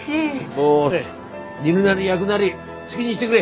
もうね煮るなり焼くなり好きにしてくれ。